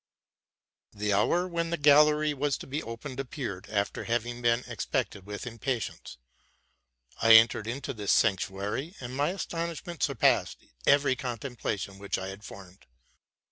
The hour when the gallery was to be opened appeared, after having been expected with impatience. I entered into this sanctuary, and my astonishment surpassed every concep tion which I had formed.